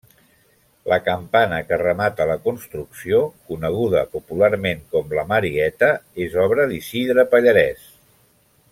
La campana que remata la construcció -coneguda popularment com la Marieta- és obra d'Isidre Pallarès.